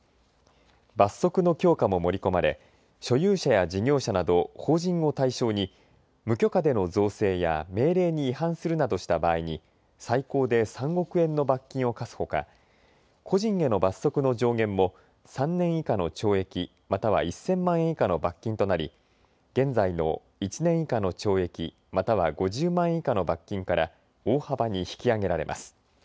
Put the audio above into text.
罰則の強化も盛り込まれ所有者や事業者など法人を対象に無許可での造成や命令に違反するなどした場合に最高で３億円の罰金を科すほか個人への罰則の上限も３年以下の懲役、または１０００万円以下の罰金となり現在の１年以下の懲役、または５０万円以下の罰金から大幅に引き上げられます。